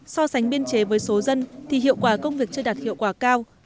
so sánh biên chế với số dân thì hiệu quả công việc chưa đạt hiệu quả cao